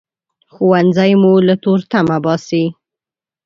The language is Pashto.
ښوونځی مو له تورتمه باسي